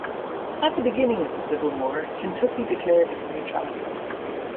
At the beginning of the Civil War, Kentucky declared its neutrality.